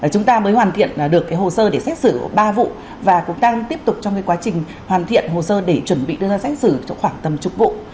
chúng ta mới hoàn thiện được hồ sơ để xét xử ba vụ và cũng đang tiếp tục trong quá trình hoàn thiện hồ sơ để chuẩn bị đưa ra xét xử cho khoảng tầm chục vụ